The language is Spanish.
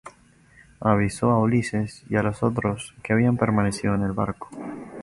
Avisó a Ulises y a los otros que habían permanecido en el barco.